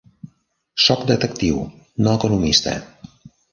Soc detectiu, no economista.